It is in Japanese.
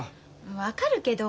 分かるけど。